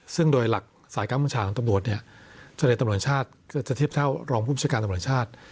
ซึ่งโดยหลักสายการบัญชาของตำรวจเนี่ยทะเลตำรวจชาติก็จะเทียบเท่ารองผู้ประชาการตำรวจชาติ